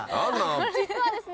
実はですね